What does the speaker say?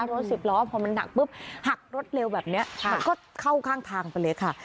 รถสิบล้อพอมันหนักปุ๊บหักรถเร็วแบบนี้มันก็เข้าข้างทางไปเลยค่ะ